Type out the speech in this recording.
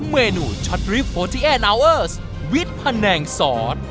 เมนูช็อตลิปวิดแพนแหนงซอส